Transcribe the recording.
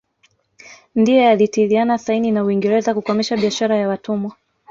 Ndiye alitiliana saini na Uingereza kukomesha biashara ya watumwa